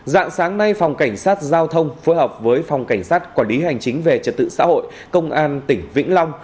dạng sáng nay phòng cảnh sát giao thông phối hợp với phòng cảnh sát quản lý hành chính về trật tự xã hội công an tỉnh vĩnh long